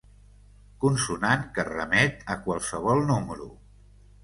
Consonant que remet a qualsevol número.